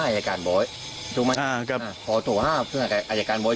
ยังไงครับ